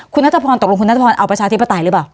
คุณนัทพรตกลงคุณนัทพรเอาประชาธิปไตยหรือเปล่า